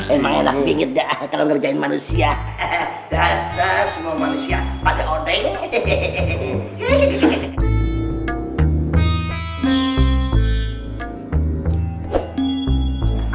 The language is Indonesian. emang enak dingin gak kalau ngerjain manusia